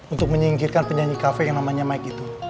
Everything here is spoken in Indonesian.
untuk menyingkirkan penyanyi kafe yang namanya mike itu